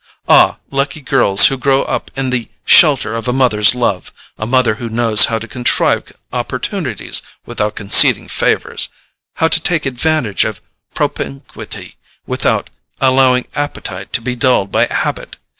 Ah, lucky girls who grow up in the shelter of a mother's love—a mother who knows how to contrive opportunities without conceding favours, how to take advantage of propinquity without allowing appetite to be dulled by habit!